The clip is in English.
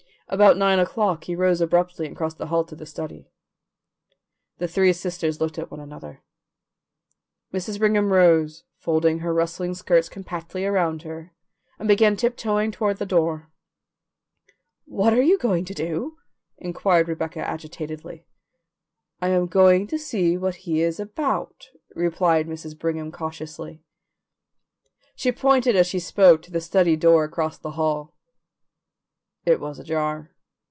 About nine o'clock he rose abruptly and crossed the hall to the study. The three sisters looked at one another. Mrs. Brigham rose, folded her rustling skirts compactly around her, and began tiptoeing toward the door. "What are you going to do?" inquired Rebecca agitatedly. "I am going to see what he is about," replied Mrs. Brigham cautiously. She pointed as she spoke to the study door across the hall; it was ajar.